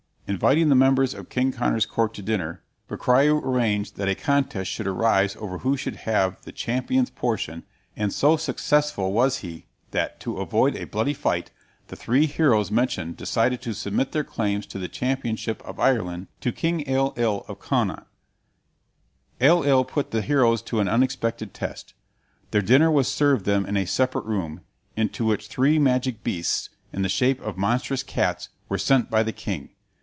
Inviting the members of King Conor's court to dinner, Bricriu arranged that a contest should arise over who should have the "champion's portion," and so successful was he that, to avoid a bloody fight, the three heroes mentioned decided to submit their claims to the championship of Ireland to King Ailill of Connaught. Ailill put the heroes to an unexpected test. Their dinner was served them in a separate room, into which three magic beasts, in the shape of monstrous cats, were sent by the king.